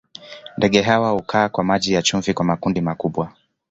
Ndege hawa hukaa kwa maji ya chumvi kwa makundi makubwa.